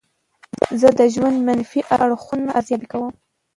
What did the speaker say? زه د ژوند منفي اړخونه ارزیابي کوم.